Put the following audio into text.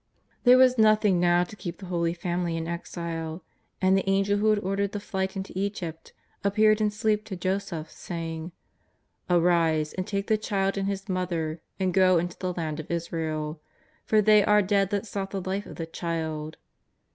There was nothing now to keep the Holy Family in exile, and the Angel who had ordered the Flight into Egypt appeared in sleep to Joseph saying: " Arise, and take the Child and His Mother and go into the land of Israel, for they are dead that sought the life of the Child.''